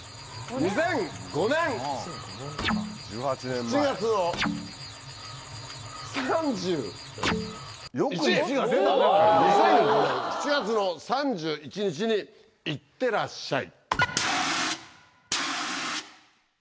２００５年７月の３１日にいってらっしゃい！